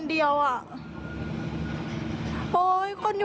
ถ้ามีคนมานานตั้งแต่แรกใช่ไหมน่าจะช่วยได้ตั้งนานแล้วอ่ะ